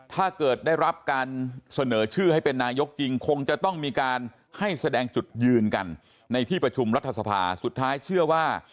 ถ้าเกิดได้รับการเสนอชื่อให้เป็นนายกจริงคงจะต้องมีการให้แสดงจุดยืนกันในที่ประชุมรัฐสภาสุดท้ายเชื่อว่า